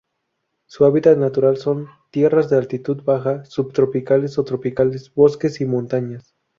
Su hábitat natural son: tierras de altitud baja, subtropicales o tropicales, bosques y montañas.